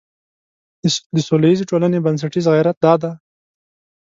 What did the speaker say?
د سولیزې ټولنې بنسټیز غیرت دا دی.